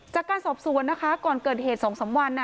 จากการสอบสวนนะคะก่อนเกิดเหตุ๒๓วัน